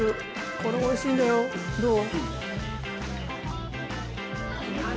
これおいしいんだよどう？